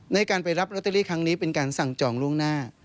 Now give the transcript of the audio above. ในการไปรับลอตเตอรี่ครั้งนี้เป็นการสั่งจองล่วงหน้า